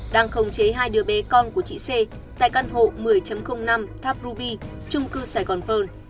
đang khống chế hai đứa bé con của chị c tại căn hộ một mươi năm tháp ruby trung cư saigon pearl